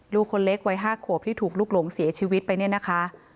ลูกคนเล็กวัย๕ขวบที่ถูกลุกหลงเสียชีวิตไปเนี่ยนะคะ